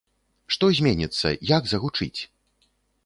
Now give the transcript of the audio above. Што зменіцца, як загучыць?